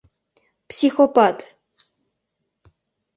Психопат!